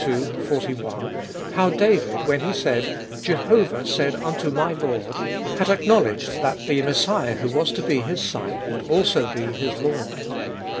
41) how David, when he said, "JEHOVAH said unto my Lord" had acknowledged that the Messiah who was to be His Son, would also be his Lord.